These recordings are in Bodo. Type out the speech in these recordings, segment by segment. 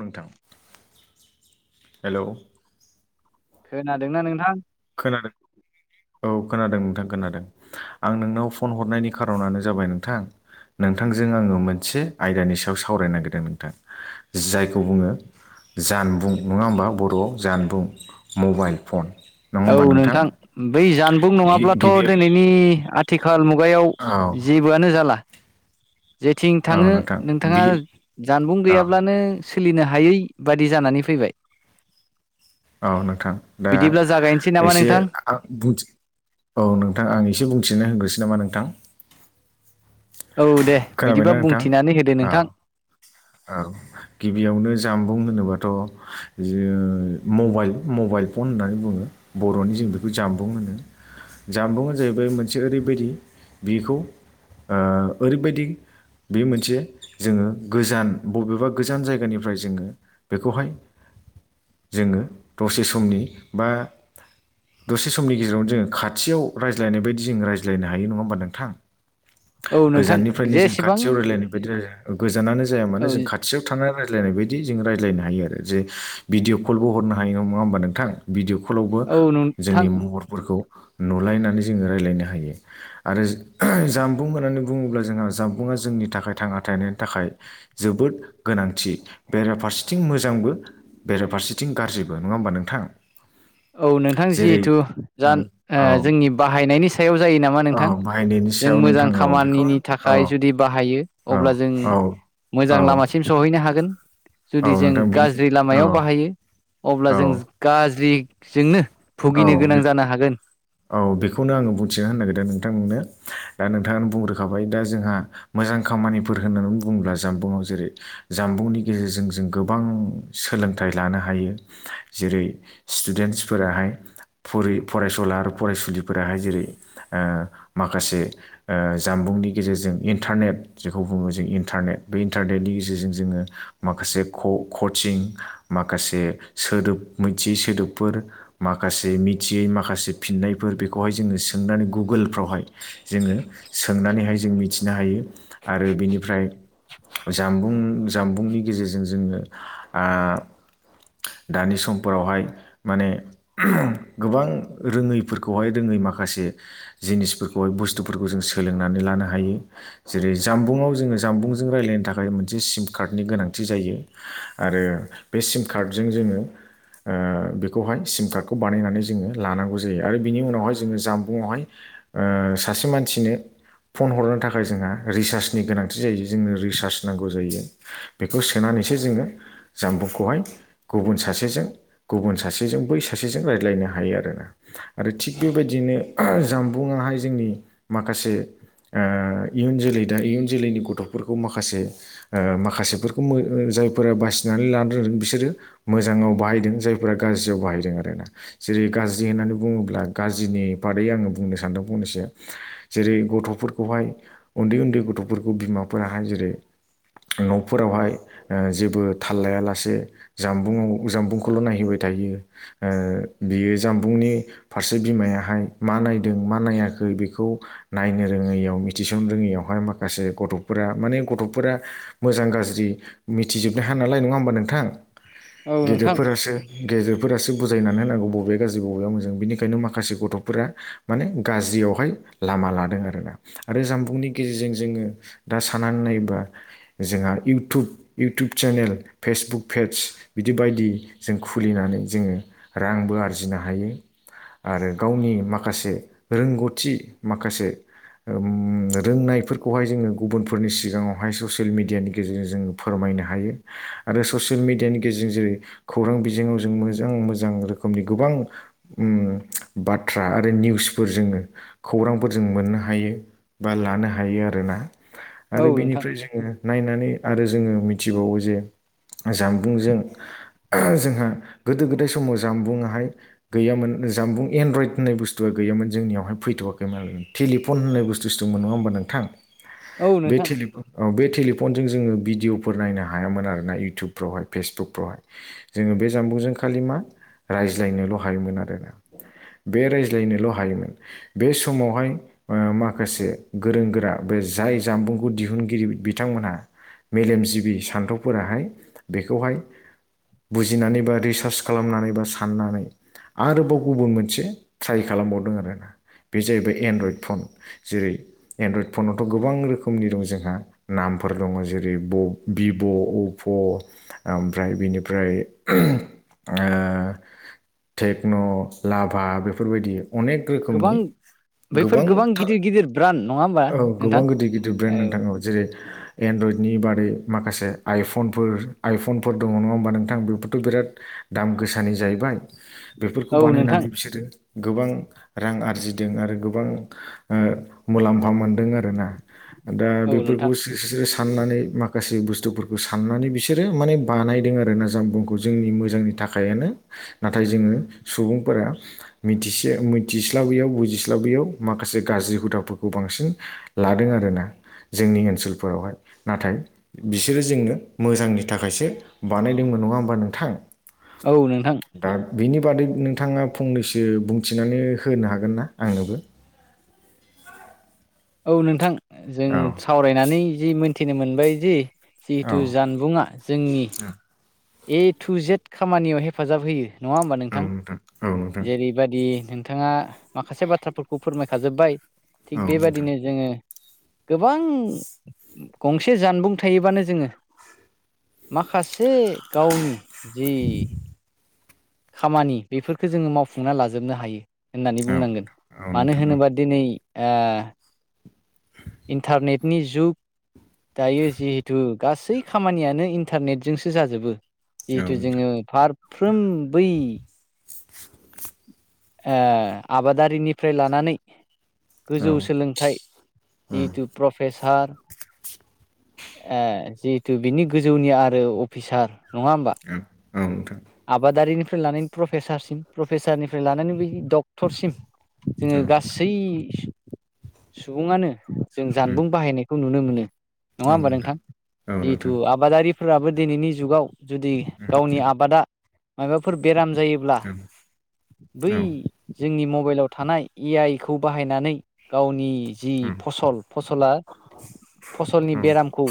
नोंथां हेलौ। खोनादोंना नोंथां। खोनादों। औ खोनादों नोंथां खोनादों आं नोंनाव फन हरनायनि खार'नानो जाबाय नोंथां। नोंथांजों आङो मोनसे आयदानि सायाव सावरायनो नागिरदों नोंथां जायखौ बुङो। जानबुं नङा होमबा बर'आव जानबुं मबाइल फन। नङा औ होमबा नोंथां बै जानबुं गि नङाब्लाथ' गिबि औ दिनैनि आथिखाल मुग। गायाव जेबोआनो जाला। जेथिं औ थाङो नोंथां नोंथाङा बि जानबुं औ गैयाब्लानो सोलिनो हायै बादि जानानै फैबाय। औ नोंथां दा बिदिब्ला जागायनोसै नामा एसे नोंथां आं बुं औ नोंथां आं एसे बुंथिनो होग्रोसै नामा नोंथां। औ दे खोनाबायना बिदिबा नोंथां बुंथिनानै होदो औ नोंथां। औ गिबियावनो जामबुं होनोबाथ' मबाइल मबाइल फन होननानै बुङो बर'नि जों बेखौ जामबुं होनो। जामबुंआ जाहैबाय मोनसे ओरैबायदि बेखौ। ओरैबायदि बे मोनसे जोङो गोजान। बबेबा गोजान जायगानिफ्राय जोङो बेखौहाय जोङो दसे समनि बा दसे समनि गेजेरावनो जो खाथियाव रायज्लायनाय बायदि जों रायज्लायनो हायो नङा होमबा नोंथां औ नोंथां गोजाननिफ्रायनो जों जेसेबां खाथियाव रायजलायनाय बायदि राय गोजानानो जाया मानो औ जों खाथियाव थानानै राय लायनाय बायदि जों रायलायनो हायो आरो जे भिदिअ कलबो हरनो नङा होनबा नोंथां भिदिअ कल लावबो औ नोंथां जोंनि महरफोरखौ नुलायनानै जोङो रायज्लायनो हायो आरो जामबुं होननानै बुङोब्ला जोंहा जामबुंआ जों जोंनि थाखाय थांना थानायनि थाखाय जोबोद गोनांथि बेराफारसेथिं मोजांबो बेराफारसेथिं गाज्रिबो नंङा होमबा नोंथां औ नोंथां जेरै जिहेथु ज ओं, औ जोंनि बाहायनायनि सायाव [unintelligible] जायो नामा औ नोंथां बाहायनायनि जों सायाव मोजां नोंथां औ बेखौ खामानिनि औ थाखाय जुदि बाहायो औ अब्ला जों औ मोजां औ लामासिम सहैनो हागोन औ जुदि जों नोंथां बिनि गाज्रि औ लामायाव बाहायो अब्ला औ जों गाज्रिजोंनो औ भुगिनो गोनां बे जानो हागोन औ बेखौनो आंङो बुंथिगनो होननो नागिरदों नोंथांमोननो दा नोंथाङानो बुंग्रोखाबाय दा जोंहा मोजां खामानिफोर होननानै बुंङोब्ला जानबुंाव जेरै जानबुंनि गेजेरजों जों गोबां सोलों लानो हायो जेरै स्टुडेन्स फोराहाय फ फरायसुला फरायसुलिफोराहाय जेरै माखासे जानबुंनि ओ गेजेरजों इन्टारनेट जेखौ बुंङो जों इन्टारनेट बे इन्टारनेटनि गेजेरजों जोंङो माखासे कचिं माखासे सोदोब मिथियै सोदोबफोर माखासे मिथियै माखासे फिननायफोर बेखौहाय जोंङो सोंनानै गुगोलफ्रावहाय जोंङो सोंनानैहाय जों मिथिनो हायो आरो बिनिफ्राय जानबुं जामबुंनि गेजेरजों जोंङो दानि समफोरावहाय माने गोबां रोङैफोरखौहाय रोङै माखासे जिनिसफोरखौहाय बुस्थुफोरखौ जों सोलोंनानै लानो हायो जेरै जामबुंआव जोंङो जामबुंजों राय्लायनो थाखाय मोनसे सिम कार्डनि गोनांथि जायो आरो बे सिम कार्डजों जोंङो बेखौहाय सिम कार्डखौ बानायनानै जोंङो लानांगौ जायो आरो बिनि उनावहाय जोङो जामबुं हाय सासे मानसिनो फन हरनो थाखाय जोंहा रिसार्जनि गोनांथि जायो जोंनो रिसार्ज नांगौ जायो बेखौ सोनानै जोंङो जामबुंखौहाय गुबुन सासेजों गुबुन सासेजों बै सासेजों हायो। आरोना आरो थिग बेबायदियैनो जामबुं हाय जोंनि माखासे इयुन जोलै दा इयुन जोलैनि गथ'फोरखौ माखासे माखासेफोरखौ जायफोरा बासिनानै लानो रोंदों बिसोरो मोजांङाव बाहायदों जायफोरा गाज्रियाव बाहायदों आर ना जेरै गाज्रि होननानै बुंङोब्ला गाज्रिनि बादै आङो बुंनो सानदों फंनैसो जेरै गथ'फोरखौहाय उन्द उन्दै गथ'फोरखौ बिमाफोराहाय जेरै न'फोरावहाय जेबो थाल लायालासे जामबुंआव जामबुंखौल' नायहैबाय थायो [unintelligible] जामबुंनि फारसे बिमायाहाय मा नायदों मा नायाखै बेखौ नायनो रोङैयाव मिथिसन रोङियावहाय माखासे गथ'फोरा माने गथ'फोरा मोजां गाज्रि मिथिजोबनो हाया नालाय नंङा होमबा नोंथां औ नोंथां गेदेरफोरासो गेदेरफोरासो बुजायनानै होनांगौ बबे गाज्रि बबाया मोजां बेनिखायनो माखासे गथ'फोरा माने गाज्रियावहाय लामा लादों आरोना आरो जामबुंनि गेजेरजों जोंङो दा साना नायोबा जोंहा YouTube YouTube channel Facebook page बिदि बायदि जों खुलिनानै जोंङो रांबो आरो आरजिनो हायो आरो गावनि माखासे रोंगौथि माखासे रोंनायफोरखौहाय जोंङो गुबुनफोरनि सिगाङावहाय ससियेल मिडियानि गेजेरजों जोंङो फोरमाय हायो आरो ससियेल मिडियानि गेजेरजों जेरै खौरां बिजोाव जों मोजां मोजां रोखोमनि गोबां बाथ्रा आरो निउसफोर जोंङो खौरांफोर जों मोननो हायो बा लानो हायो आरोना औ आरो नोंथां बेनिफ्राय जोंङो नायनानै आरो जोंङो मिथिबावो जे जामबुंजों जोंहा गोदो गोदाय समाव जामबुंङा गैयामोन जानबुं एनड्रइद होननाय बुंनाय गैयामोन जोंनियावह फैथ'वाखैमोन टिलिनपन बुसथुसो दंमोन नङा होनबा नोंथां औ [unintelligible] नोंथां जों जोङो भिदिवफोर नायनो हायामोन आरोना इयतुबफोरावहाय फेजबुकफोरावहाय जोंङो बे जामबुंजों खालि मा रायज्लायनोल' हायोमोन आरोना बे रायज्लायनोल' हायोमोन बे समावहाय माखासे गोरों गोरा जाय जामबुंखौ दिहुनगिरि बिथांमोनहा मेलेमजिबि सान्थौफोराहाय बेखौहाय बुजिनानै बा रिसार्च खालामनानै बा साननानै आरोबाव गुबुन मोनसे ट्राइ खालामबावदों आरो बे जाहैबाय एनडरयड फन जेरै एनडरयड फनावथ' गोबां रोखोमनि दं जोंहा नाम फोर दङ जेरै ब भिभ' अपप' ओमफ्राय बिनिफ्राय ओ टेक्न' लाभा बेफोरबायदि अनेक रोखोमनि गोबां बैफोर गोबां था गिदिर गिदिर ब्रान्ड नङा होमबा औ नोंथां गोबां गिदिर गिदिर ब्रेन्ड नोथां औ जेरै एन्ड्रइडनि बारै माखासे आइफनफोर आइफनफोर दङ नङा होमबा नोंथां बेफोरथ' बिराद दाम गोसानि जाहैबाय बेफोरखौ औ नोंथां बानायनानै बिसोरो गोबां रां आरजिदों आरो गोबां मुलाम्फा मोनदों आरो ना दा औ बेफोरखौ नोंथां [inaudible] साननानै माखासे बुस्थुफोरखौ साननानै बिसोरो माने बानायदों आरोना जामबुंखौ जोंनि मोजांनि थाखायनो नाथाय जोङो सुबुंफोरा मिथिसे मिथिस्लाबैयाव बुजिस्लाबैयाव मा खासे गाज्रि हुदाफोरखौ बांसिन लादों आरोना जोंनि ओनसोलफोरावहाय नाथाय बिसोरो जोंनो मोजांनि थाखायसो बानायदोंमोन नङा होमबा नोंथां औ नोंथां दा बिनि बादै नोंथाङा फंनैसो बुंथिनानै होनो हागोन ना आंनोबो ओइ औ नोंथां जों सावरायनानै जि मोनथिनो मोनबाय जि औ जिहेथु जानबुंङा जोंनि ए टु जेट खामानियाव हेफाजाब होयो नङा होमबा औ नोंथां औ नोंथां जेरैबायदि नोंथाङा माखासे बाथ्राफोरखौ फोरमायखाजोब्बाय औ थिग नोंथां बेबादिनो जोङो गोबां गंसे जानबुं थायोबानो जोङो माखासे गावनि जि खामानि बेफोरखौ जोङो मावफुंना लाजोबनो हायो होननानै औ बुंनांगोन मानो नोंथां औ होनोबा दिनै ओ इन्टारनेटनि जुग दायो जिहेथु गासै खामानियानो इन्टारनेटजोंसो जाजोबो औ जिहेथु नोंथां जोङो फारफ्रोम बै ओ आबादारिनिफ्राय लानानै औ गोजौ सोलोंथाइ औ जिथु प्रफेसार ए जिहेथु बिनि गोजौनि आरो अफिसार नङा होमबा औ नोंथां आबादारिनिफ्राय लानानै प्रफेसारसिम प्रफेसारनिफ्राय लानानै बै डक्टरसिम जोङो औ नोंथां गासै सुबुङानो जों उम जानबुं बाहायनायखौ नु नो मोनो नङा होमबा नोंथां औ जिहेथु नोंथां आबादारिफोराबो दिनैनि जुगाव जुदि उम औ गावनि आबादा माबाफोर बेराम जायोब्ला बै औ जोंनि मबाइलाव थानाय ए आइ खौ बाहायनानै गावनि जि उम फसल फसला फसलनि बेरामखौ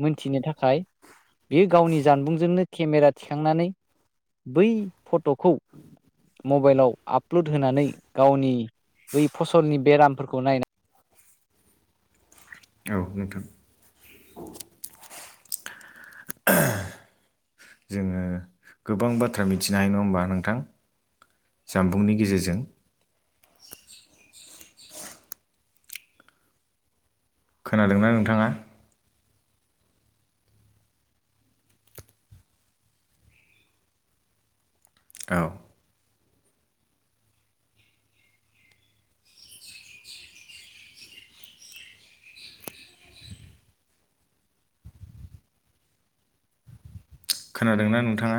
मोनथिनो था थाखाय बेयो गावनि जानबुंजोंनो केमेरा थिखांनानै बै फट'खौ मबाइलआव आपल'ड होनानै गावनि बै फसलनि बेरामफोरखौ नायनानै। अ [inaudible] औ नोंथां। ह [inaudible] जोङो गोबां बाथ्रा मिथिनो हायो नङा होमबा नोंथां। जामबुंनि गेजेरजों खोनादोंना नोंथाङा। औ। खोनादोंना नोंथाङा?